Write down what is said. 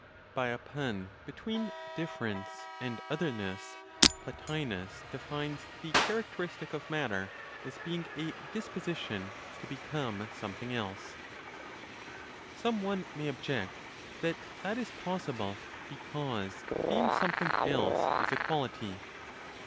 BY A PUN BETWEEN "DIFFERENCE" AND "OTHERNESS," PLOTINOS DEFINES THE CHARACTERISTIC OF MATTER AS BEING A DISPOSITION TO BECOME SOMETHING ELSE. Some one may object that that is possible, because "being something else" is a quality.